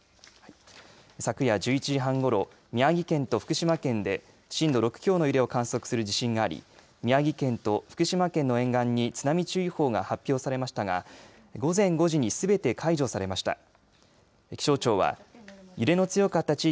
昨夜１１時半ごろ宮城県と福島県で震度６強の揺れを観測する地震があり宮城県と福島県の沿岸に津波注意報が発表されましたが午前５時にすべて解除されました。